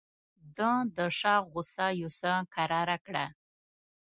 ده د شاه غوسه یو څه کراره کړه.